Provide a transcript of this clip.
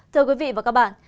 thưa quý vị và các bạn